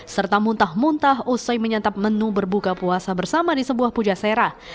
serta muntah muntah usai menyantap menu berbuka puasa bersama di sebuah pujaserah